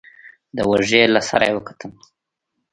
د اوږې له سره يې وکتل.